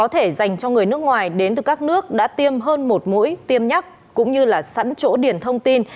dành cho người nước ngoài đến từ các nước đã tiêm hơn một mũi tiêm nhắc cũng như là sẵn chỗ điển thông tin